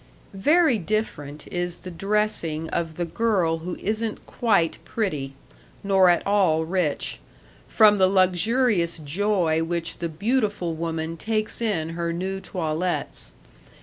Very different is the dressing of the girl who isn't quite pretty, nor at all rich, from the luxurious joy which the beautiful woman takes in her new toilettes.